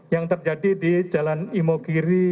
yang terjadi di jalan imogiri